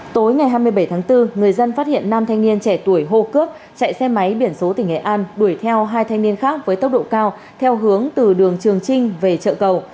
tối ngày hai mươi bảy tháng bốn người dân phát hiện nam thanh niên trẻ tuổi hô cướp chạy xe máy biển số tỉnh nghệ an đuổi theo hai thanh niên khác với tốc độ cao theo hướng từ đường trường trinh về chợ cầu